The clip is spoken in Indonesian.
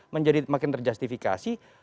menjadi makin terjustifikasi